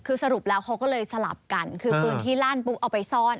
คือสรุปแล้วเขาก็เลยสลับกันคือปืนที่ลั่นปุ๊บเอาไปซ่อน